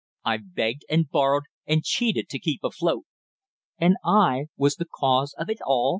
I've begged and borrowed and cheated to keep afloat!" "And I was the cause of it all?"